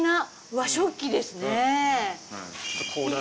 和食器ですね。